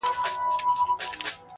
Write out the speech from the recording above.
ډېر مرغان سوه د جرګې مخي ته وړاندي-